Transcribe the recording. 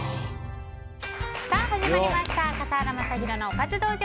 始まりました笠原将弘のおかず道場。